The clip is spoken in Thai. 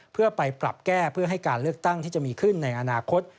เพื่อไปปรับแก้เพื่อให้การเลือกตั้งที่จะมีขึ้นในอนาคต